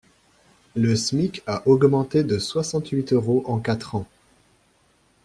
Le Smic a augmenté de soixante-huit euros en quatre ans.